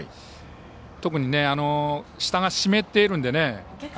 特に、下が湿っているのでね。